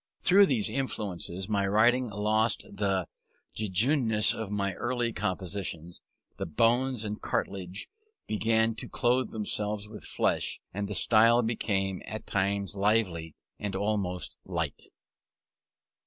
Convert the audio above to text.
Through these influences my writing lost the jejuneness of my early compositions; the bones and cartilages began to clothe themselves with flesh, and the style became, at times, lively and almost light.